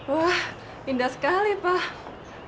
wah indah sekali pak